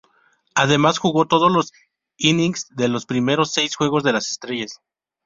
Además, jugó todos los innings de los primeros seis Juegos de las Estrellas.